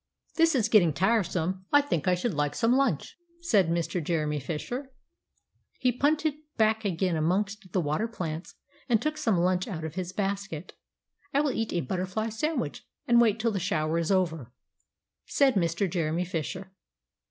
"This is getting tiresome, I think I should like some lunch," said Mr. Jeremy Fisher. He punted back again amongst the water plants, and took some lunch out of his basket. "I will eat a butterfly sandwich, and wait till the shower is over," said Mr. Jeremy Fisher.